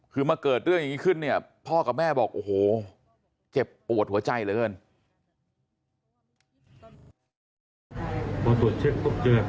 คือมาเกิดเรื่องอย่างนี้ขึ้นเนี่ยพ่อกับแม่บอกโอ้โหเจ็บปวดหัวใจเหลือเกิน